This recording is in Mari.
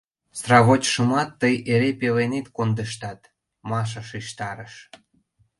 Сравочшымат тый эре пеленет кондыштат, — Маша шижтарыш.